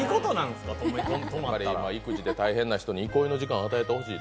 育児で大変な人に憩いの時間を与えてほしい。